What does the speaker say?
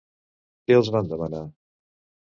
Què els van demanar?